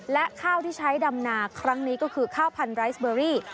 และข้าวที่ใช้ดำนาครั้งนี้ก็คือข้าวพันไรสเบอรี่